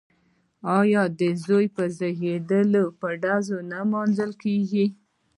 آیا د زوی زیږیدل په ډزو نه لمانځل کیږي؟